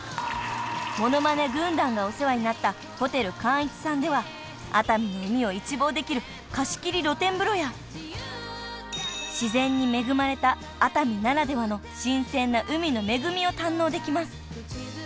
［モノマネ軍団がお世話になったホテル貫一さんでは熱海の海を一望できる貸し切り露天風呂や自然に恵まれた熱海ならではの新鮮な海の恵みを堪能できます］